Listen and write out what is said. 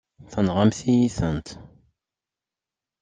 Tenɣamt-iyi-tent.